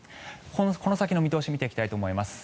この先の見通しを見ていきたいと思います。